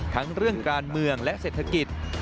ทั้งเรื่องการเมืองและเศรษฐกิจ